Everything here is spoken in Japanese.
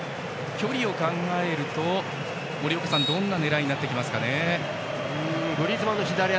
距離を考えるとどんな狙いになってくるか。